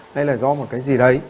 hay là do một cái gì đấy